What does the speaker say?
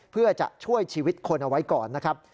เพื่อจะช่วยชีวิตคนเอาไว้ก่อนนะครับ